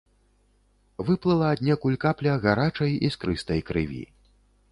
Выплыла аднекуль капля гарачай іскрыстай крыві.